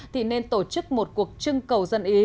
thì nên tổ chức một cuộc trưng cầu dân ý